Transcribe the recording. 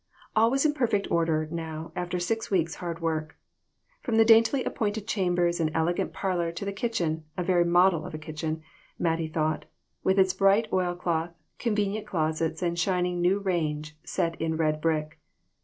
All was in perfect order now, after six weeks' hard work, from the daintily appointed chambers and elegant parlor to the kitchen ; a very model of a kitchen, Mattie thought, with its bright oil cloth, con venient closets and shining new range set in red brick.